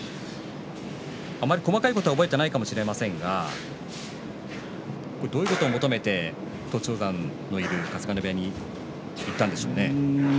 あまり細かいことは覚えてないかもしれませんがどういうことを求めて栃煌山のいる春日野部屋に行ったんでしょうね。